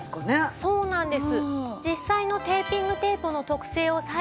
そうなんです。